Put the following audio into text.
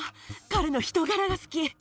彼の人柄が好き。